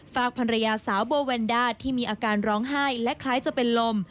ฝากภรรยาสาวโบแวนด้าที่มีอาการร้องไห้และคล้ายจะเป็นลม